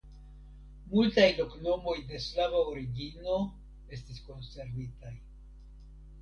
Multaj loknomoj de slava origino estis konservitaj.